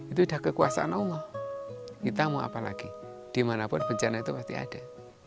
itu sudah kekuasaan allah kita mau apa lagi dimanapun bencana itu pasti ada